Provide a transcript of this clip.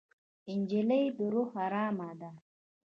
نجلۍ د روح ارام ده.